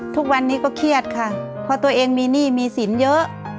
ทุกวันนี้ก็เครียดค่ะเพราะตัวเองมีหนี้มีสินเยอะ